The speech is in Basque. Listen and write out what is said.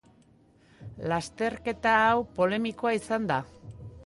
Lasterketa hau polemikoa izan da.